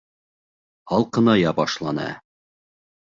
Һалҡыная башланы.